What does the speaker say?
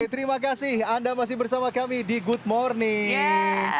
terima kasih anda masih bersama kami di good morning